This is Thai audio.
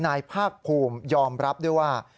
นายภาคภูมิยอมรับด้วยว่า